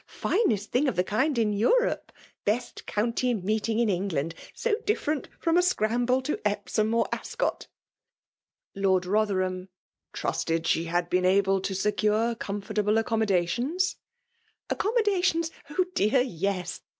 finest thing of the kind in Europe, — ^beat qovntyt meeting in England: so different from a scramble to Epsom or Ascot !'' Lord Rotherham '' trusted she bad been able to secure comfortable, aceommodiaftions?'* Accommodations ? Oh, dear ! yes